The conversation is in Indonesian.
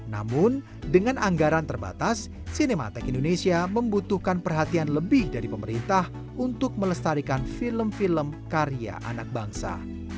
namun dengan anggaran terbatas cinemattek indonesia membutuhkan perhatian lebih dari pemerintah untuk melestarikan film film karya anak bangsa